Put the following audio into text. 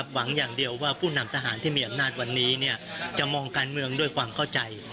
หวังอย่างเดียวว่าผู้นำทหารที่มีอำนาจวันนี้จะมองการเมืองด้วยความเข้าใจ